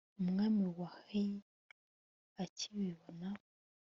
umwami wa hayi akibibona